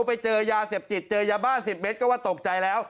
ไปเจอยาเสพติดเจอยาบ้า๑๐เมตรก็ว่าตกใจแล้ว